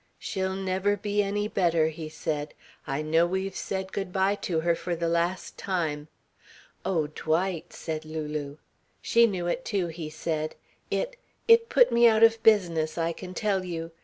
"She'll never be any better," he said. "I know we've said good bye to her for the last time." "Oh, Dwight!" said Lulu. "She knew it too," he said. "It it put me out of business, I can tell you.